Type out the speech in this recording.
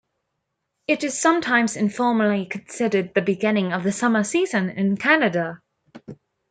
It is sometimes informally considered the beginning of the summer season in Canada.